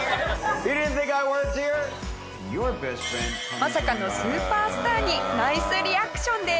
まさかのスーパースターにナイスリアクションです。